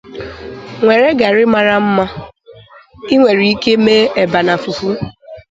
Nwere gari nmara mma, inwere ike mee eba na fufu.